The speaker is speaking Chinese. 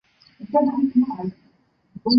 身高体重非常的接近